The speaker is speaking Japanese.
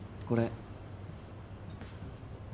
これ